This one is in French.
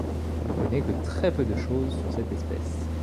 On ne connaît que très peu de choses sur cette espèce.